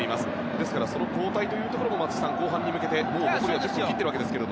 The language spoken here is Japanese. ですからその交代というところも松木さん、後半に向けてもう前半残り少ないわけですが。